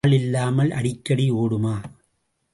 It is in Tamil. ஆள் இல்லாமல் அடிக்கடி ஓடுமா?